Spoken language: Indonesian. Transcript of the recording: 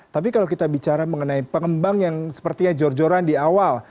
tapi kalau kita bicara mengenai pengembang yang sepertinya jor joran di awal